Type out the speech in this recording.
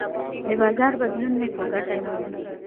د بازار بدلون مې په ګټه نه و.